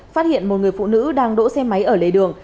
phát hiện một người phụ nữ đang đỗ xe máy ở lề đường